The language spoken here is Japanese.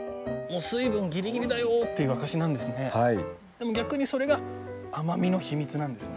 でも逆にそれが甘みのヒミツなんですね。